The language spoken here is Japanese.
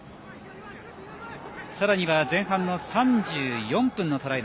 さらには前半の３４分のトライ。